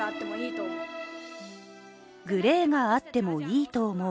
グレーがあってもいいと思う。